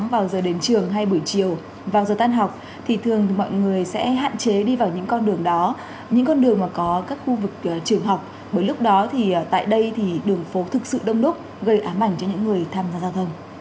vào giờ đến trường hay buổi chiều vào giờ tan học thì thường thì mọi người sẽ hạn chế đi vào những con đường đó những con đường mà có các khu vực trường học bởi lúc đó thì tại đây thì đường phố thực sự đông đúc gây ám ảnh cho những người tham gia giao thông